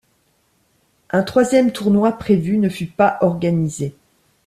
Un troisième tournoi prévu ne fut pas organisé.